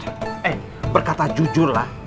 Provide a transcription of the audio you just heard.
eh berkata jujur lah